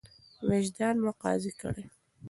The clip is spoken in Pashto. وجدان مو قاضي کړئ.